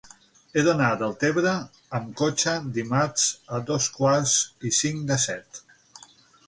He d'anar a Deltebre amb cotxe dimarts a dos quarts i cinc de set.